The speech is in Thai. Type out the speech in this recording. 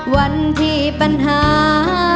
วันที่ปัญหา